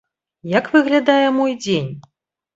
Як выглядае мой дзень?